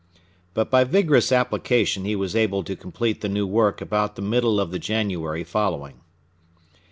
But by vigorous application he was able to complete the new work about the middle of the January following.